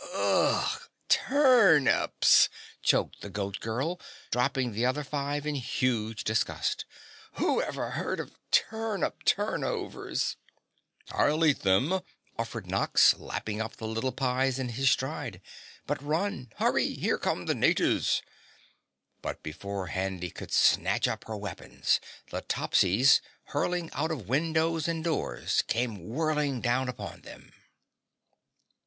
"Ugh, TURNIPS!" choked the Goat Girl, dropping the other five in huge disgust. "Whoever heard of turnip turnovers?" "I'll eat them," offered Nox, lapping up the little pies in his stride, "but run hurry, here come the natives!" But before Handy could snatch up her weapons, the Topsies, hurling out of windows and doors, came whirling down upon them.